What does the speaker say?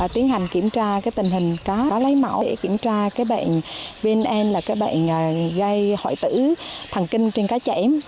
tiến hành kiểm tra tình hình cá lấy mẫu để kiểm tra bệnh vnn là bệnh gây hoại tử thần kinh trên cá chảy